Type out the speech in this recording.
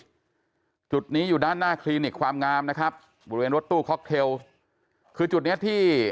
อยู่ในภายใบจุดนี้อยู่ด้านหน้าคลินิกความงามนะครับครบวนรถตู้ค็อคร์เตลคือจุดนี้